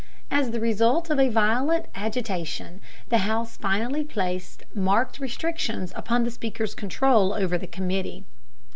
As the result of a violent agitation the House finally placed marked restrictions upon the Speaker's control over the committee.